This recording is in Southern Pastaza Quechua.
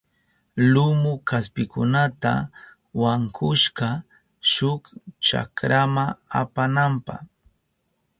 Lumu kaspikunata wankushka shuk chakrama apananpa.